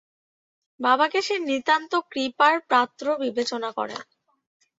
বাবাকে সে নিতান্ত কৃপার পাত্র বিবেচনা করে।